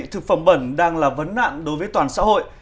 thực phẩm bẩn đang là vấn nạn đối với toàn xã hội